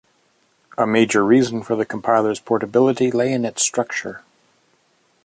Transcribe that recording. A major reason for the compiler's portability lay in its structure.